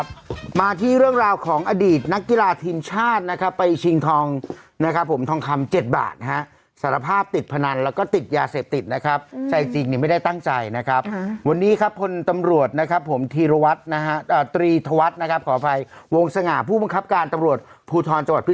สมมุติเข้าใจแหละบางทีมันเกรดแบบเอแบบแพงก็มี